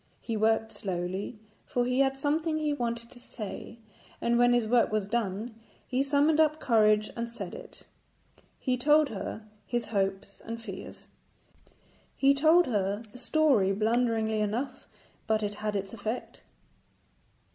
He worked slowly, for he had something he wanted to say, and when his work was done he summoned up courage and said it. He told her his hopes and fears. He told her the story blunderingly enough, but it had its effect.